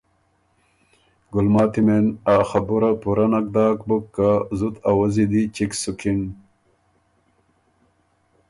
ګلماتي مېن ا خبُره پُورۀ نک داک بُک که زُت آوزّي دی چَګ سُکِن